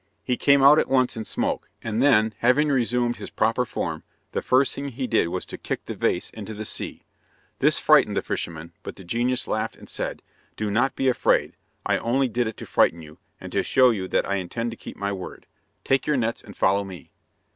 He came out at once in smoke, and then, having resumed his proper form, the first thing he did was to kick the vase into the sea. This frightened the fisherman, but the genius laughed and said, "Do not be afraid; I only did it to frighten you, and to show you that I intend to keep my word; take your nets and follow me."